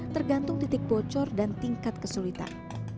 tergantung titik bocor dan tingkat kesulitan